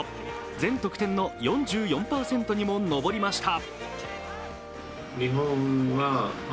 全得点の４４％にものぼりました。